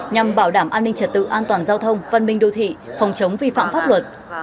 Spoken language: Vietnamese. nhằm bảo đảm an ninh trật tự an toàn giao thông văn minh đô thị phòng chống vi phạm pháp luật